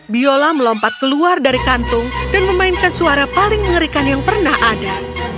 biola melompat keluar dari kantung dan memainkan suara paling mengerikan yang pernah ada